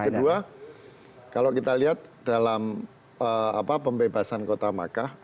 kedua kalau kita lihat dalam pembebasan kota makkah